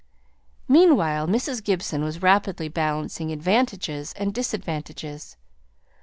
Meanwhile Mrs. Gibson was rapidly balancing advantages and disadvantages.